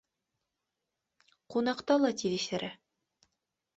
Ҡунаҡта ла тиҙ иҫерә